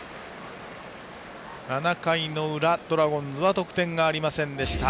７回の裏、ドラゴンズは得点がありませんでした。